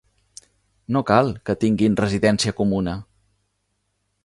No cal que tinguin residència comuna.